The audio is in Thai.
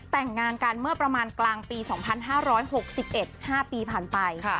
แต่งงานกันเมื่อประมาณกลางปี๒๕๖๑๕ปีผ่านไป